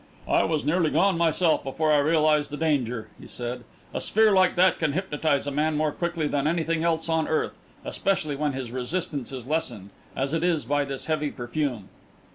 "I was nearly gone, myself, before I realised the danger," he said. "A sphere like that can hypnotise a man more quickly than anything else on earth, especially when his resistance is lessened, as it is by this heavy perfume."